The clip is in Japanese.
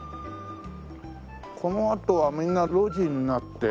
このあとはみんな路地になって。